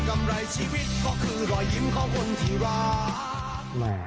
ำไรชีวิตก็คือรอยยิ้มของคนที่รัก